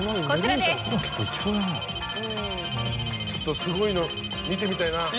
ちょっとすごいの見てみたいな。